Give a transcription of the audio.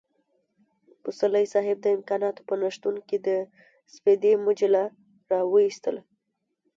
پسرلی صاحب د امکاناتو په نشتون کې د سپېدې مجله را وايستله.